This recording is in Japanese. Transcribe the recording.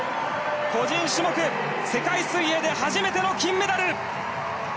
個人種目世界水泳で初めての金メダル！